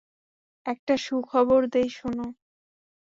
একটা সুখবর দিই শোনো।